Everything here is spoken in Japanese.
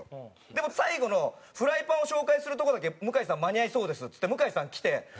でも最後のフライパンを紹介するとこだけ向井さん間に合いそうですっつって向井さん来て。